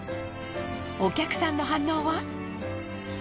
お客さんの反応は。